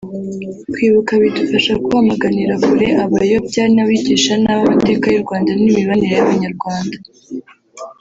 Kwibuka bidufasha kwamaganira kure abayobya n’abigisha nabi amateka y’u Rwanda n’imibanire y’Abanyarwanda